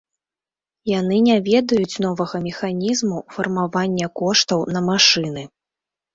Яны не ведаюць новага механізму фармавання коштаў на машыны.